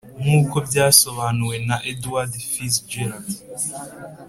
nkuko byasobanuwe na edward fitzgerald